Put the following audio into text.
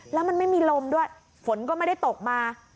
แล้วมันไม่มีลมด้วยฝนก็ไม่ได้ตกมา